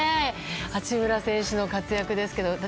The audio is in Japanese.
八村選手の活躍ですけど。